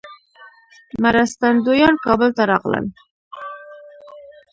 مرستندویان کابل ته راغلل.